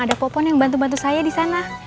ada popon yang bantu bantu saya disana